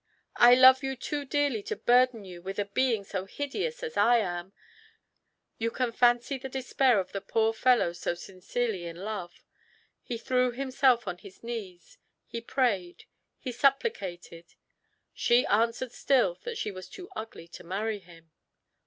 I love you too dearly to burden you with a being so hideous as I am." You can fancy the despair of the poor fellow so sincerely in love. He threw himself on his knees; he prayed; he supplicated; she answered still that she was too ugly to marry him.